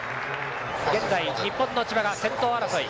現在、日本の千葉が先頭争い。